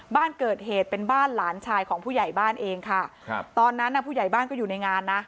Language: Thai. บ้านเกิดเหตุเป็นบ้านหลานชายของผู้ใหญ่บ้านเองค่ะครับตอนนั้นน่ะผู้ใหญ่บ้านก็อยู่ในงานนะ